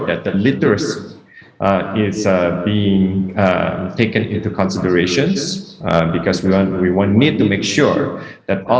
bahwa literasi itu diambil keperhatian karena kita tidak perlu memastikan